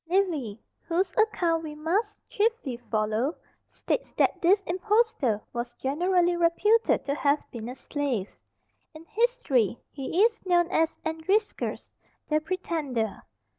Livy, whose account we must chiefly follow, states that this impostor was generally reputed to have been a slave; in history he is known as Andriscus the Pretender.